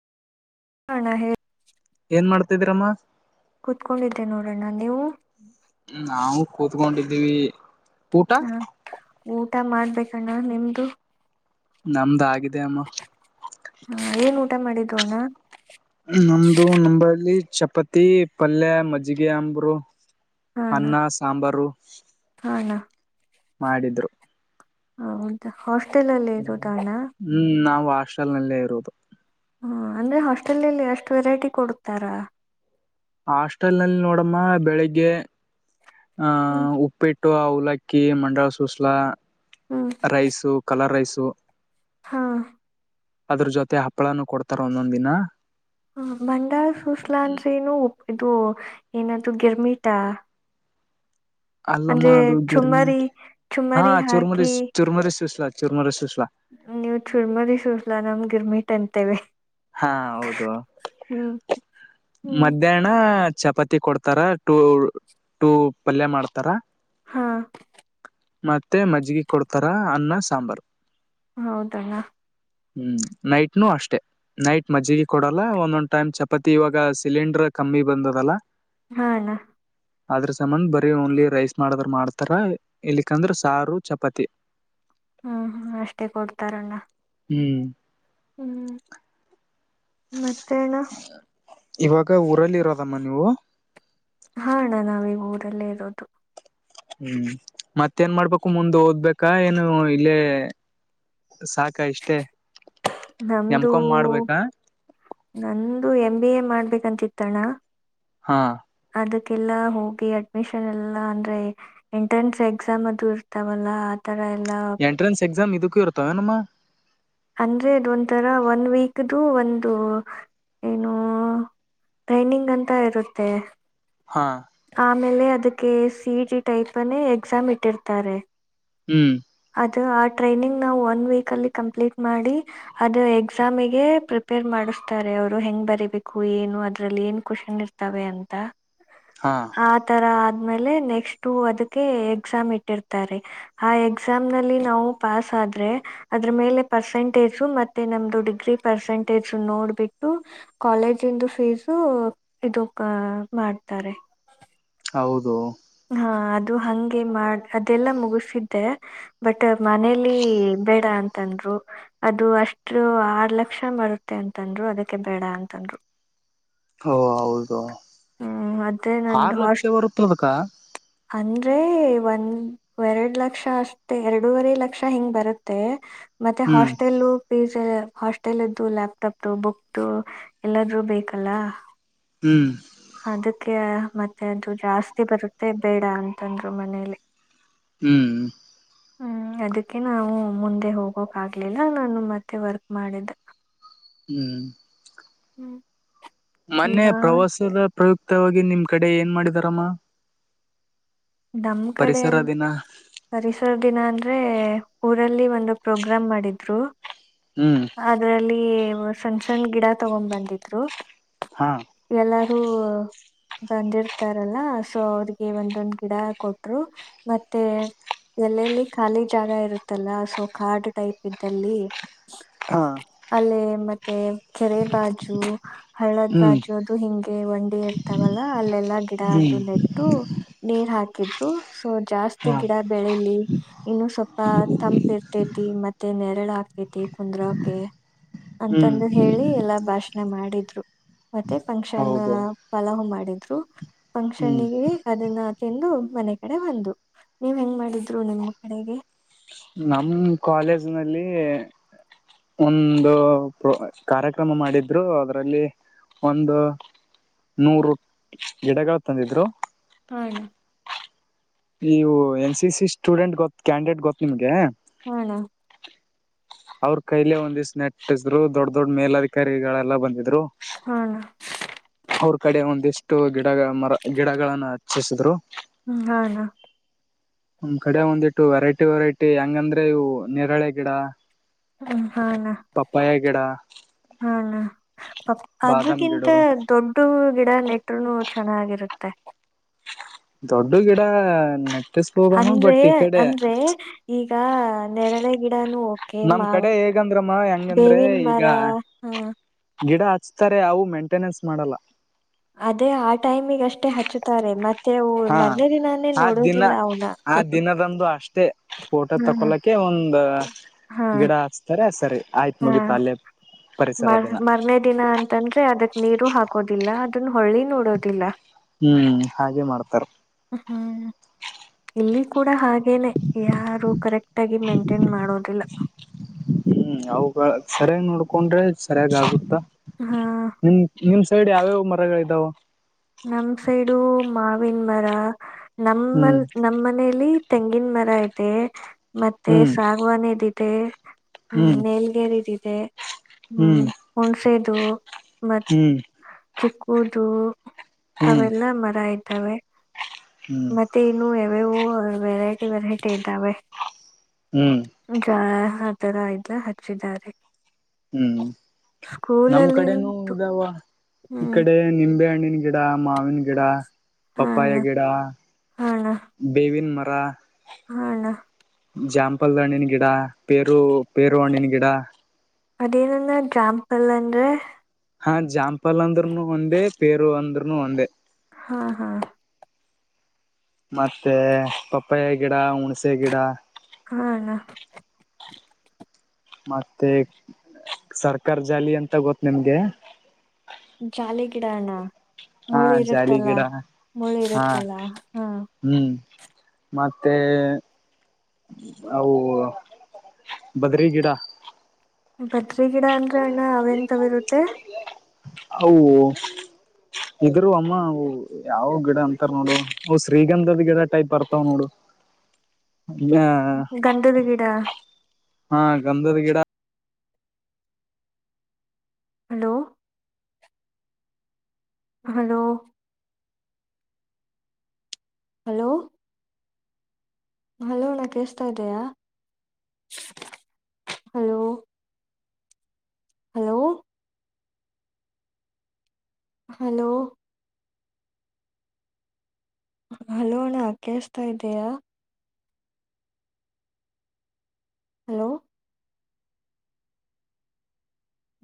ಕಾಣ ಹೇ ಏನ್ ಮಾಡ್ತಿದೀರಮ್ಮ. ಕುತ್ಕೊಂಡಿದ್ದೆ ನೋಡೋಣ ನೀವು. ನಾವು ಕೂತ್ಕೊಂಡಿದ್ದ್ವಿ. ಹಾ ಊಟ ಮಾಡ್ಬೇಕಣ್ಣ ನಿಮ್ದು. ನಮ್ದಗಿದ್ ಹಾ ಏನ್ ಊಟ ಮಾಡಿದ್ದು ಅಣ್ಣ. ನಮ್ದು ನಂಬಳ್ಳಿ ಚಪಾತಿ ಪಲ್ಯ ಮಜ್ಜಿಗೆ ಅಂಬರು. ಹಾ ಅಣ್ಣ ಅನ್ನ ಸಾಂಬಾರು. ಹಾ ಅಣ್ಣ ಮಾಡಿದ್ರು. ಹಂತ ಹಸ್ ಹ್ಮ್ ನಾವು ಹಾಸ್ಟೆಲ್ ನಲ್ಲೇ ಇರೋದು. ಹ್ಮ ಅಂದ್ರೆ ಹಾಸ್ಟೆಲಲ್ಲಿ ಎಷ್ಟ್ ವೆರೈಟಿ ಕೊಡುತ್ತಾರಾ. ಹಾಸ್ಟೆಲ್ ನಲ್ಲಿ ನೋಡಮ್ಮ ಬೆಳಿಗ್ಗೆ ಹ್ಮ್ ಆಹ ಉಪ್ಪಿಟ್ಟ್ ಟ್ಟು ಅವಲಕ್ಕಿ ಮಂಡಲ್ ಸೂಸ್ಲ ಹ್ಮ್ ರೈಸು ಕಲರ್ ರೈಸು. ಹಾ ಅದ್ರ ಜೊತೆ ಹಪ್ಳನು ಕೊಡ್ತಾರ ಒಂದೊಂದ್ ದಿನ. ಹ ಬಂಡಾಳ್ ಸೂಸ್ಲಾ ಅಂದ್ರೇನು. ಇದು ಏನಾದೂ ಗಿರ್ಮಿಟಾ. ಅಲ್ಲಮ್ಮ ಅಂದ್ರೆ ಅದು ಚುಮ್ಮರಿ ಗಿರ್ಮಿಟ್ ಹಾ ಚುಮ್ಮರಿ ಚೂರ್ಮರಿ ಚುರ್ಮರಿ ಸೂಸ್ಲಾ ಚುರ್ಮರಿ ಸೂಸ್ಲ. ನೀವು್ ಚುರ್ಮರಿ ಸುಸಲಾ ನವ್ ಗಿರ್ಮಿಟ್ ಅಂತೇವೆ. ಹಾ ಹೌದು ಹ್ಮ್ ಹ್ಮ್ ಮಧ್ಯಾಹ್ನ. ಚಪಾತಿ ಕೊಡ್ತಾರ ಟೂ ಟೂ ಪಲ್ಯ ಮಾಡ್ತಾರ. ಹಾ ಮತ್ತೆ ಮಜ್ಜಗಿ ಕೊಡ್ತಾರ ಅನ್ನ ಸಾಂಬಾರು. ಹೌದಲ್ಲ. ಹ್ಮ್ ನೈಟ್ನು ಅಷ್ಟೆ. ನೈಟ್ ಮಜ್ಜಿಗೆ ಕೊಡಲ್ಲ ಒಂದೊಂದ್ ಟೈಮ್ ಚಪಾತಿ ಇವಾಗ ಸಿಲಿಂಡರ್ ಕಮ್ಮಿ ಬಂದದಲ್ಲ. ಹಾ ಅಣ್ಣ. ಅದ್ರ ಸಂಬಂಧ ಬರೀ ಓನ್ಲಿ ರೈಸ್ ಮಾಡದ್ರ ಮಾಡ್ತಾರ ಇಲ್ಲಿಕ್ಕಂದ್ರ ಸಾರು ಚಪಾತಿ. ಹ್ಮ್ ಹ್ಮ ಅಷ್ಟೇ ಕೊಡ್ತಾರಣ್ಣ. ಹ್ಮ್ ಹ್ಮ್ ಮತ್ತೇಣ್ಣ. ಇವಾಗ ಊರಲ್ಲಿ ಇರೋದಮ್ಮ ನೀವು. ಹಾ ಹಣ್ಣ ನಾವೀಗ ಊರಲ್ಲೇ ಇರೋದು. ಹ್ಮ್ ಮತ್ತೇನ್ ಮಾಡ್ಬೇಕು ಮುಂದ ಓದ್ಬೇಕಾ ಏನು ಇಲ್ಲೇ. ಸಾಕ ಇಷ್ಟೇ ನಮ್ದು ಎಮ್ಕಾಮ್ ಮಾಡ್ಬೇಕಾ ನನ್ದು ಎಂ ಬಿ ಎ ಮಾಡ್ಬೇಕಂತಿತ್ತಣ್ಣ. ಹಾ ಅದಕ್ಕೆಲ್ಲಾ ಹೋಗಿ ಅಡ್ಮಿಷನ್ ಎಲ್ಲ ಅಂದ್ರೆ ಎಂಟ್ರೆನ್ಸ್ ಎಕ್ಸಾಮ್ ಅದು ಇರ್ತಾವಲ್ಲ. ತರ ಎಲ್ಲಾ. [unintelligible] ಮ ಇದುಕ್ಕೊ ಇರ್ತ ಏನಮ್ಮ. ಅಂದ್ರೆದು ಅದು ಒಂಥರ ಒನ್ ವೀಕ್ದು ಒಂದು ಏನು. ಟ್ರೈನಿಂಗ್, ಅಂತ ಇರುತ್ತೆ? [inaudible] ಹಾ. [inaudible] ಆಮೇಲೆ, ಅದಕ್ಕೆ! C, T. ಟೈಪ್ ಅಲ್ಲಿ, ಎಕ್ಸಾಮ್ ಇಟ್ಟಿರ್ತಾರೆ? [inaudible] ಹ್ಮ್. [inaudible] ಅದು, ಆ ಟ್ರೈನಿಂಗ್ ನಾವು! ಒನ್, ವೀಕ್, ಅಲ್ಲಿ ಕಂಪ್ಲೀಟ್ ಮಾಡಿ. ಅದು ಎಕ್ಸಾಮಗೆ, ಪ್ರಿಪೇರ್ ಮಾಡ. [inaudible] ಅನುತ್ತಾರೆ, ಅವರು ಹೆಂಗ್ ಬರಿಬೇಕು! ಏನು ಅದ್ರಲ್ಲಿ ಏನ್, ಖುಷನ್ ಇರ್ತವೆ ಅಂತ. ಹಾ [inaudible] ಅತರ. [inaudible] ಆಮೇಲೆ, ನೆಕ್ಸ್ಟ್ ಅದಕ್ಕೆ! ಎಕ್ಸಾಮ್ ಇಟ್ಟಿರ್ತಾರೆ ಆ, ಎ. [inaudible] ಎಕ್ಸಾಮ್ ನಲ್ಲಿ, ನಾವು ಪಾಸ್ ಆದ್ರೆ ಅದ್ರ ಮೇಲೆ, ಪರ್ಸೆಂಟೇಜ್ ಮತ್ತೆ ನಮ್ದು! Degree percent. [inaudible] ಅಟ್ಲೀಸ್ಟ್, ನೋಡ್ಬಿಟ್ಟು, ಬಾಳೆಹಣ್ಣು ತಿಂದು, ಫೀಸು ಇದು, ಮಾಡ್ತಾರೆ. [inaudible] [unintelligible] [inaudible] ಹೌದು. [inaudible] ಹಾ, ಅದು ಹಂಗೆ ಮಾಡ. ಅದೆಲ್ಲಾ ಮುಗಸಿದ್ದೆ ಬಟ್, ಮನೇಲಿ? [inaudible] ಬೇಡ ಅಂತಂದ್ರು! ಅದು ಅಷ್ಟು ಆರ್ ಲಕ್ಷ ಬರುತ್ತೆ, ಅಂತಂದ್ರು, ಅದಕ್ಕೆ ಬೇಡ, ಅನುದಾಧೇ. [inaudible] ಒಬ್ರು. [inaudible] ಓ, ಹೌದು, ಹ್ಮ್ ಅದೇ ನಂದು ಆರು ಲಕ್ಷ ಹಾಸ್ಟ್ ಬರುತ್ತ, ಅದಕ? [inaudible] ಅಂದ್ರೆ, ಒಂದ್, ಎರಡ್, ಲಕ್ಷ ಅಷ್ಟೆ ಎರಡೂವರೆ ಲಕ್ಷ, ಹಿಂಗ್, ಬರುತ್ತೆ. [inaudible] ಮತ್ತೆ, ಹ್ಮ್ ಹಾಸ್ಟೆಲ್. [inaudible] ಫಿಜ್, ಹಾಸ್ಟೆಲ್ದ್ದು, ಲ್ಯಾಪ್ಟಾಪ್ ಬುಕ್ ಎಲ್ಲಾದೂ ಬೇಕಲ್ಲ? [inaudible] ಹ್ಮ್ ಅದಕ್ಕೆ, ಮತ್ತೆ ಅದು ಜಾಸ್ತಿ! ಬರುತ್ತೆ ಬೇಡ ಅಂತಂದ್ರು ಮನೇಲಿ? [inaudible] ಹ್ಮ್. [inaudible] ಹ್ಮ್, ಅದಕ್ಕೆ ನಾವು ಮುಂದೆ! ಹೋಗೋಕೆ, ಆಗ್ಲಿಲ್ಲ, ನಾನು ಮತ್ತೆ ವರ್ಕ್ ಮಾಡಿದು. [inaudible] ಹ್ಮ್. [inaudible] ಹ್ಮ್. [inaudible] ಮೊನ್ನೆ ಇವಾಗ ಪ್ರವಾಸದ ಪ್ರಯುಕ್ತವಾಗಿ! ನಿಮ್ ಕಡೆ ಏನ್ ಮಾಡಿದಾರಮ್ಮ? [inaudible] ನಮೂ, ಕಡೆ ಪರಿಸರ ದಿನ ಪರಿಸರ ದಿನ ಅಂದ್ರೆ, ಉ.. [inaudible] ನಮ್ಮೂರಲ್ಲಿ, ಒಂದು ಪ್ರೋಗ್ರಾಮ್ ಮಾಡಿದ್ರು? [inaudible] ಹ್ಮ್. [inaudible] ಇಲ್ಲಿ, ಸಣ್ ಸಣ್ ಗಿಡ ತಗೊಂಡ್ ಬಂದಿದ್ರು. ಹಾ [inaudible] ಎಲ್ಲಾರೂ? [inaudible] ಬಂದಿರ್ತಾರಲ್ಲ, ಸೊ, ಅವ್ರಿಗೆ ಒಂದೊಂದ್ ಗಿಡ ಕೊಟ್ರು, ಮತ್ತೆ? [inaudible] ಎಲ್ಲೆಲ್ಲಿ, ಖಾಲಿ ಜಾಗ ಇರುತ್ತಲ್ಲ! ಸೊ ಕಾರ್ಡ್ ಟೈಪ್ ಇದ್ದಲ್ಲಿ? [inaudible] ಹಾ ಅಲೆ, ಮತ್ತೆ ಕೆರೆ, ಬಾಜು? [inaudible] ಹಳ್ಳದ್, ಹ್ಮ್ ಬಾಜೋದು, ಹಿಂಗೆ, ವಂಡಿ ಇರ್ತಾವಲ್ಲ ಅಲ್ಲೆಲ್ಲಾ? ಗಿಡ ಹ್ಮ್ ಅದ ನೆಟ್ಟು, ನೀರು, ಹಕ್ಕು. [inaudible] ಹಾಕಿದ್ರು, ಸೊ ಜಾಸ್ತಿ ಹಾ ಗಿಡ ಬೆಳಿಲಿ? ಇನ್ನು ಸ್ವಲ್ಪ ತಂಪು, ಇರ್ತಿ. [inaudible] ಮತ್ತೆ, ನೆರಳು ಹಾಕ್ತೇತಿ! ಕುಂದ್ರೋಕ ಹ್ಮ್ ಅಂತಂದು ಹೇಳಿ ಎಲ್ಲಾ ಭಾಷಣ ಮಾಡಿ? [inaudible] ಮಾಡಿದ್ರು, ಮತ್ತೆ ಫಂಕ್ಷನ್ ಹೌದು ಪಲವು, ಮಾಡಿದ್ರು? [inaudible] ಹ್ಮ್ ಫಂಕ್ಷನ್ಗೆ ಅದನ್ನ? [inaudible] ತಿಂದು ಮನೆ ಕಡೆ ಬಂದು, ನೀವ್, ಹೆಂಗ್ ಮಾಡಿದ್ರು! ನಿಮ್ಮ ಕಡೆಗೆ? [inaudible] ನಮ್, ಕಾಲೇಜ್ ನಲ್ಲಿ? [inaudible] ಒಂದು, ಪ್ರೊ, ಕಾರ್ಯಕ್ರಮ, ಮಾಡಿದ್ರು ಅದ್ರಲ್ಲಿ? [inaudible] ಒಂದ ನೂರು ಗಿಡಗಳ ತಂದಿದ್ರು. ಹಣ ಇವು, ಎನ್, ಸಿ, ಸಿ. ಸ್ಟೂಡೆಂಟ್ ಗೊತ್ತು ಕ್ಯಾಂಡಿಡೇಟ್, ಗೊತ್ತು ನಿಮ್ಗೆ? [inaudible] ಹ, ಅಣ್ಣ. [inaudible] ಅವ್ರ, ಕೈಲೆ ಒಂದು, ಇಷ್ಟು, ನೆಟ್ಟಿದ್ರು, ದೊಡ್ಡ ದೊಡ್! ಮೇಲಧಿಕಾರಿಗಳೆಲ್ಲಾ, ಬಂದಿದ್ರು? [inaudible] ಹಣ ಇದರು, ಅವ್ರ ಕಡೆ ಒಂದ ಎಷ್ಟಿದ್ರು? [inaudible] ಇಷ್ಟು, ಗಿಡ ಮರ ಗಿಡಗಳನ್ನು ಹಚ್ಚಿಸಿದ್ರು! [inaudible] ಹ್ಮ, ಹಾ, ಹಾ. [inaudible] ನಮ್, ಕಡೆ ಒಂದಿಟ್ಟು! ವೆರೈಟಿ, ವೆರೈಟಿ ಹಗಂದ್ರೆ ಇವು, ನೇರಳೆ ಗಿಡ. [inaudible] ಹೂ. [inaudible] ಪಪ್ಪಾಯ ಗಿಡ. [inaudible] ಪ ಬಾದಾಮ್ ಗಿಡ ಅದ್ರಕ್ಕಿಂತ ದೊಡ್ಡು ಗಿಡ ನೆಟ್ರುನು ಚೆನ್ನಾಗಿರುತ್ತೆ. ದೊಡ್ಡು ಗಿಡ ನೆಟ್ಟಿಸ್ಬೋದಮ್ಮ ಅಂದ್ರೆ ಬಟ್ ಈ ಕಡೆ ಅಂದ್ರೆ ಈಗ ನೆರಳೆ ಗಿಡನು ಓಕೆ ನಮ್ ಮಾವ ಕಡೆ ಹೇಗಂದ್ರಮ್ಮ ಹೆಂಗಂದ್ರೆ ಈಗ ಆ ಗಿಡ ತಾರೆ ಅವು ಮೇಂಟೆನೆನ್ಸ್ ಮಾಡಲ್ಲ. ಅದೇ ಆ ಟೈಮಗ ಅಷ್ಟೇ ಹಚ್ಚುತ್ತಾರೆ ಮತ್ತೆ ಮತ್ತೆ ಊ ಹಾ ಮರನೇ ದಿನಾನೇ ಆ ದಿನ ನೋಡೋದಿಲ್ಲ ಅವ್ನ. ಆ ದಿನದಂದು ಅಷ್ಟೇ ಫೋಟೋ ತಕೊಲಕ್ಕೆ ಒಂದ ಹಾ ಗಿಡ ಹಚ್ತಾರೆ ಸರಿ. ಆಯ್ತ ಹಾ ಮುಗಿತ್ತ್ ಅಲ್ಲೇ. ಪರಿಸರ ಮರ್ ದಿನ ಮರನೇ ದಿನ ಅಂತಂದ್ರೆ ಅದಕ್ ನೀರು ಹಾಕೋದಿಲ್ಲ. ಅದನ್ನ ಹೊಳ್ಳಿ ನೋಡೋದಿಲ್ಲ ಹ್ಮ್ ಹಾಗೆ ಮಾಡ್ತಾರ ಹ್ಮ್ ಇಲ್ಲಿ ಕೂಡ ಹಾಗೇನೆ ಯಾರು ಕರೆಕ್ಟ್ ಆಗಿ ಮೇಂಟೈನ್ ಮಾಡೋದಿಲ್ಲ. ಹ್ಮ್ ಅವು ಸರಿಯಾಗಿ ನೋಡ್ಕೊಂಡ್ರೆ ಸರಿಯಾಗ ಆಗುತ್ತ ಹಾ ನಿಮ ನಿಮ ಸೈಡ್ ಯಾವ್ಯಾವ ಮರಗಳ ಇದಾವ. ನಮ್ ಸೈಡು ಮಾವಿನ ಮರ ಹ್ಮ್ ನಮ್ಮಲ್ಲಿ ನಮ್ಮ ಮನೇಲಿ ತೆಂಗಿನ ಮರ ಐತೆ ಮತ್ತೆ ಹ್ಮ್ ಸಾಗವಾನಿದಿದೆ. ಹ್ಮ್ ನೇಲ್ಗೇರಿದಿದೆ ಹ್ಮ್ ಹುಣ್ಸೆದು. ಮತ್ ಹ್ಮ್ ಚಿಕ್ಕುದು ಹ್ಮ್ ಅವೆಲ್ಲಾ ಮರ ಇದ್ದಾವೆ ಹ್ಮ್ ಮತ್ತೆ ಇನ್ನು ಇವೂ ವೆರೈಟಿ ವೆರೈಟಿ ಇದ್ದಾವೆ ಹ್ಮ್ ಜೋಳ. ಆ ತರ ಎಲ್ಲಾ ಹಚ್ಚಿದ್ದಾರೆ. ಹ್ಮ್ ನಮ್ ಸ್ಕೂಲಲ್ಲಿ ಕಡೆನೂ ಇದಾವ ಈ ಹ್ಮ್ ಕಡೆ ನಿಂಬೆ ಹಣ್ಣಿ ಗಿಡಾ ಮಾವಿನ ಗಿಡಾ ಹಾ ಪಾಪ್ಪಾಯ ಅಣ್ಣ ಗಿಡಾ ಬೇವಿನ ಮ ರಾ ಹ ಅಣ್ಣಾ. ಜಾಂಪಲ್ದ ಹಣ್ಣಿನ ಗಿಡಾ ಪೇರು ಪೇರು ಹಣ್ಣಿನ ಗಿಡಾ ಅದೇನ ಅಣ್ಣಾ ಜ್ಯಾಂಪಲ್ ಅಂದ್ರೆ. ಹಾ ಜಾಂಪಲ್ ಅಂದ್ರನು ಒಂದೇ ಪೇರು ಅಂದ್ರನು ಒಂದೇ. ಹಾ ಹಾ ಮತ್ತೆ ಪಪ್ಪಾಯ ಗಿಡಾ ಹುಣ್ಸೆ ಗಿಡಾ. ಹಾ ಅಣ್ಣಾ. ಮತ್ತೆ ಸರ್ಕಾರ ಜಾಲಿ ಅಂತ ಗೊತ್ತ ನಿಮ್ಗೆ. ಜಾಲಿ ಗಿಡ ಅಣ್ಣ. ಹಾ ಮುಳ್ಳ ಜಾಲಿ ಇರುತ್ತಲ್ಲ ಗಿಡ ಮುಳ್ಳ ಹಾ ಇರುತ್ತಲ್ಲ ಹ್. ಹ್ಮ್ ಮತ್ತೆ ಅವು ಬದ್ರಿ ಗಿಡಾ. ಬದ್ರಿ ಗಿಡಾ ಅಂದ್ರ ಅಣ್ಣ ಅವೆಂತಾವಿರುತ್ತೆ. ಅವೂ ಇದರುವ ಅಮ್ಮ ಅವೂ ಯಾವ ಗಿಡ ಅಂತಾರ ನೋಡು ಶ್ರೀಗಂಧದ ಗಿಡ ಟೈಪ್ ಬರ್ತಾವ್ ನೋಡು. [unintelligible] ಅ ಗಂಧದ ಗಿಡ ಹಾ ಗಂಧದ ಗಿಡ ಹಲೋ. ಹಲೋ. ಹಲೋ. ಹಲೋ ಅಣ್ಣಾ ಕೇಳಸ್ತಾ ಇದೆಯಾ ಹಲೋ. ಹಲೋ. ಹಲೋ. ಹಲೋ ಅಣ್ಣಾ ಕೇಳಸ್ತಾ ಇದೇಯಾ. ಹಲೋ